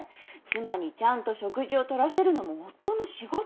妻にちゃんと食事をとらせるのも夫の仕事。